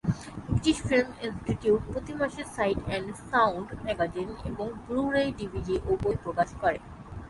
British Film Institute প্রতি মাসে "Sight and Sound" magazine এবং ব্লু-রে, ডিভিডি ও বই প্রকাশ করে।